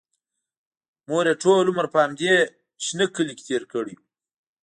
مور یې ټول عمر په همدې شنه کلي کې تېر کړی و